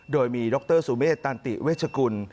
โดยมีดรสุเมษตันติเวชกุล